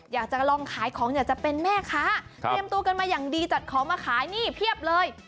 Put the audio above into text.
อยากจะลองขายของอยากจะเป็นแม่ค้าเตรียมตัวกันมาอย่างดีจัดของมาขายนี่เพียบเลย